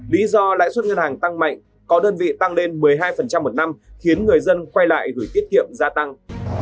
lý do lãi suất ngân hàng tăng mạnh có đơn vị tăng lên một mươi hai một năm khiến người dân quay lại gửi tiết kiệm gia tăng